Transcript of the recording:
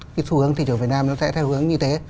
thị trường việt nam nó sẽ theo hướng như thế